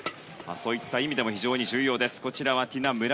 そういった意味でも非常に重要です。